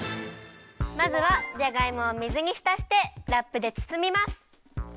まずはじゃがいもを水にひたしてラップでつつみます！